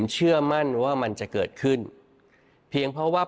เชื่อมั่นว่ามันจะเกิดขึ้นเพียงเพราะว่า